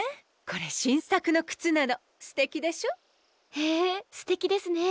へえすてきですね。